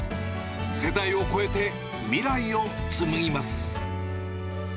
世代を超えて未来を紡ぎます。